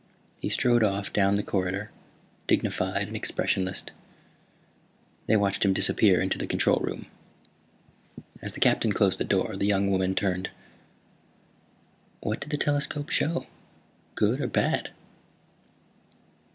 He strode off down the corridor, dignified and expressionless. They watched him disappear into the control room. As the Captain closed the door the young woman turned. "What did the telescope show? Good or bad?"